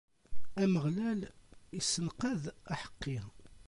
Ameɣlal issenqad aḥeqqi.